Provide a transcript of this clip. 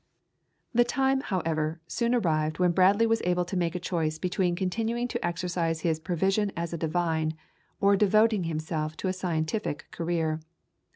The time, however, soon arrived when Bradley was able to make a choice between continuing to exercise his profession as a divine, or devoting himself to a scientific career.